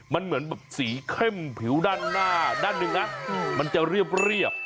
มันเหมือนแบบสีเข้มผิวด้านหน้าด้านหนึ่งนะมันจะเรียบ